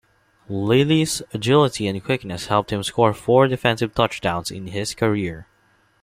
Lilly's agility and quickness helped him score four defensive touchdowns in his career.